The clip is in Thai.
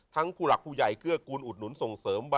ทั้งครูหลักครูใหญ่เกื้อกูลอุดหนุนส่งเสริม